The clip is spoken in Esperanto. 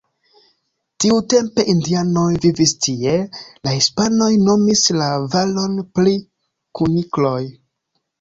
Tiutempe indianoj vivis tie, la hispanoj nomis la valon pri kunikloj.